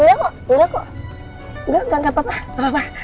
enggak enggak enggak enggak enggak